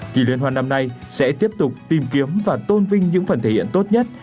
kỳ liên hoan năm nay sẽ tiếp tục tìm kiếm và tôn vinh những phần thể hiện tốt nhất